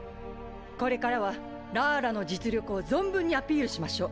これからはラーラの実力を存分にアピールしましょう！